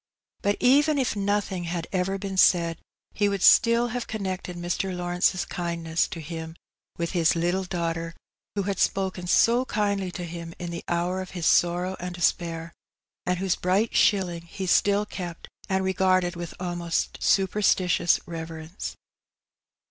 But even if nothing had ever been said, he would still have con nected Mr. Lawrence's kindness to him with his little daughter, who had spoken so kindly to him in the hour of his sorrow and despair, and whose bright shilling he still kept, and regarded with almost superstitious reverence.